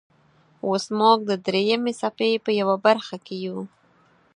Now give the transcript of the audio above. اوس موږ د دریمې څپې په یوه برخې کې یو.